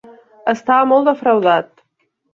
Estava molt defraudat.